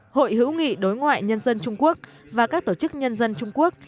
hội hữu nghị đối ngoại nhân dân trung quốc và các tổ chức nhân dân trung quốc